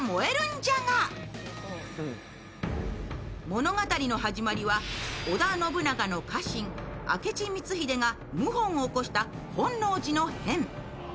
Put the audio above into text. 物語の始まりは、織田信長の家臣・明智光秀が謀反を起こした本能寺の変。